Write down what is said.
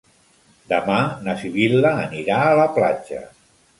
Demà na Sibil·la anirà a la platja.